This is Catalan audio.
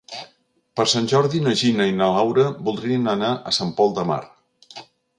Per Sant Jordi na Gina i na Laura voldrien anar a Sant Pol de Mar.